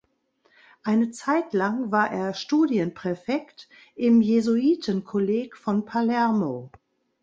Eine Zeitlang war er Studienpräfekt im Jesuitenkolleg von Palermo.